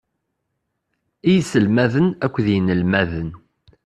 I yiselmaden akked yinelmaden.